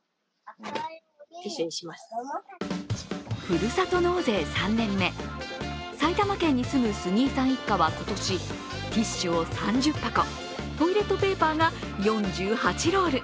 ふるさと納税３年目、埼玉県に住む杉井さん一家は今年、ティッシュを３０箱、トイレットペーパーが４８ロール、